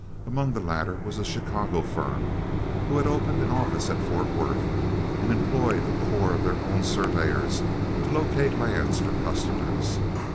Among the latter was a Chicago firm, who had opened an office at Fort Worth and employed a corps of their own surveyors to locate lands for customers.